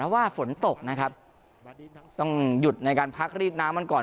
ว่าฝนตกนะครับต้องหยุดในการพักรีดน้ำมันก่อน